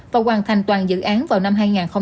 và hoàn thành toàn dự án vào năm hai nghìn hai mươi